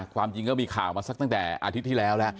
ความจริงก็มีข่าวมาสักตั้งแต่อาทิตย์ที่แล้วแล้ว